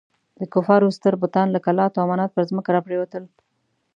د کفارو ستر بتان لکه لات او منات پر ځمکه را پرېوتل.